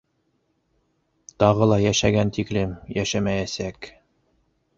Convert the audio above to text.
Тағы ла йәшәгән тиклем йәшәмәйәсәк.